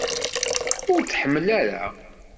Ur t-tḥemmel ara?